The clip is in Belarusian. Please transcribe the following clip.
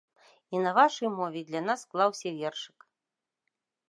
І на вашай мове для нас склаўся вершык.